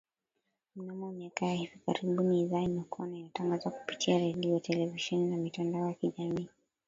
Mnamo miaka ya hivi karibuni idhaa imekua na inatangaza kupitia redio, televisheni na mitandao ya kijamii